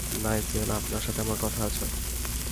Nigel, আপনার সাথে আমার কথা আছে।